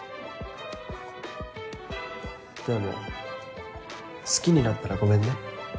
でも好きになったらごめんね。